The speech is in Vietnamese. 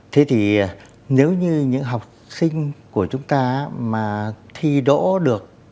thế thì nếu như những học sinh của chúng ta mà thi đỗ được